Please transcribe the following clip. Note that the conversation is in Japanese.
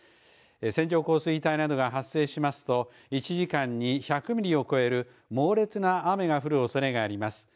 線状降水帯などが発生しますと１時間に１００ミリを超える猛烈な雨が降るおそれがあります。